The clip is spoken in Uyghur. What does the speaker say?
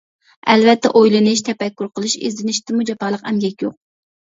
ئەلۋەتتە، ئويلىنىش، تەپەككۇر قىلىش، ئىزدىنىشتىنمۇ جاپالىق ئەمگەك يوق.